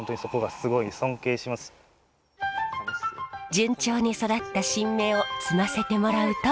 順調に育った新芽を摘ませてもらうと。